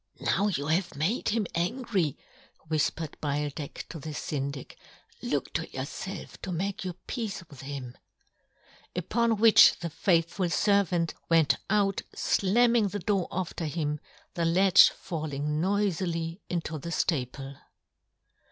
" Now you have " made him angry, " whifpered Beildech to the Syndic, " look to " yourfelf to make your peace with " him." Upon which the faithful fervant went out flamming the door after him, the latch falling noifilyinto the ftaple.